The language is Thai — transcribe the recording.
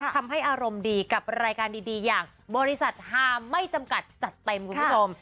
ทำให้อารมณ์ดีกับรายการดีเหมือนบริษัทฮาไม่จำกัดจัดเต็ม